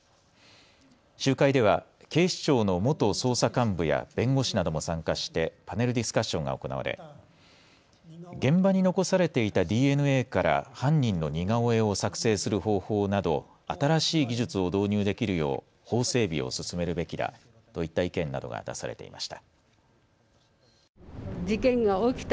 集会では警視庁の元捜査幹部や弁護士なども参加してパネルディスカッションが行われ現場に残されていたＤＮＡから犯人の似顔絵を作成する方法など新しい技術を導入できるよう法整備を進めるべきだといった意見などが出されていました。